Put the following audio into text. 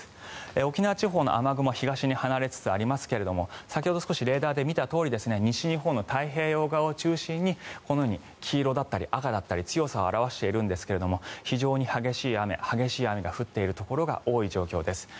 沖縄地方の雨雲は東に離れつつありますが先ほど少しレーダーで見たとおり西日本の太平洋側を中心にこのように黄色だったり、赤だったり強さを表しているんですが非常に激しい雨が降っているところが多い状況です。